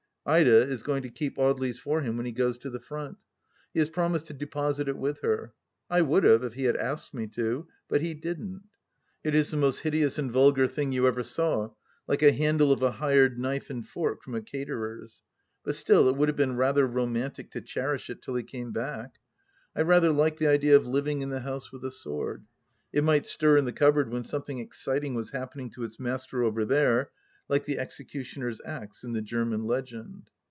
Ida is going to keep Audely's for him when he goes to the front. He has promised to deposit it with her. I would have, if he had asked me, but he didn't. It is the most hideous and vulgar thing you ever saw, like a handle of a hired knife and fork from a caterer's ; but still, it would have been gather romantic to cherish it till he came back. I rather like the idea of living in the house with a sword. It might stir in the cupboard when something exciting was happening to its master over there, like the executioner's axe in the German legend.